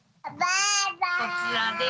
こちらです。